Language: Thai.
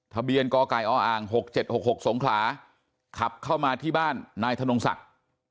ทะเบียนกกออ๖๗๖๖สงขลาขับเข้ามาที่บ้านนายถนนกศักดิ์